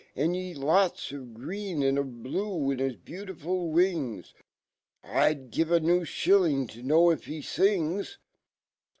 Andy lots Of green and of blue in his beautifu living I'd give a new Shilling to know if he ilngs